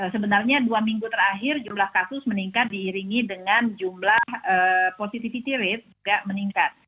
sebenarnya dua minggu terakhir jumlah kasus meningkat diiringi dengan jumlah positivity rate juga meningkat